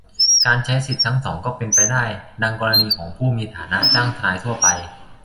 การใช้สิทธิทั้งสองก็เป็นไปได้ - ดังกรณีของผู้มีฐานะจ้างทนายทั่วไป